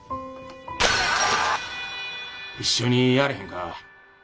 一緒にやれへんか。